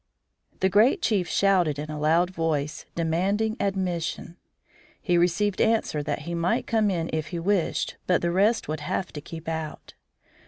The great chief shouted in a loud voice, demanding admission. He received answer that he might come in if he wished, but the rest would have to keep out.